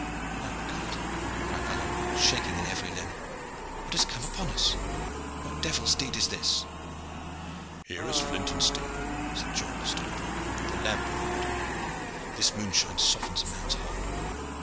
"My God!" cried Alleyne, shaking in every limb. "What has come upon us? What devil's deed is this?" "Here is flint and steel," said John stolidly. "The lamp, Aylward! This moonshine softens a man's heart.